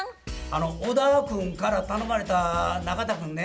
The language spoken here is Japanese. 小田君から頼まれた中田君ね